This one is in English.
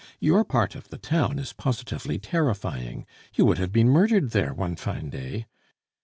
Your part of the town is positively terrifying. You would have been murdered there one fine day.